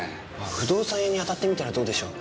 不動産屋に当たってみたらどうでしょう。